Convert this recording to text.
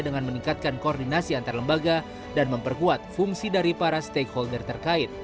dengan meningkatkan koordinasi antar lembaga dan memperkuat fungsi dari para stakeholder terkait